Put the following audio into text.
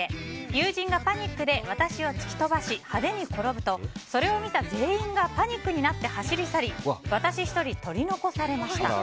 友人がパニックで私を突き飛ばし派手に転ぶとそれを見た全員がパニックになって走り去り私１人、取り残されました。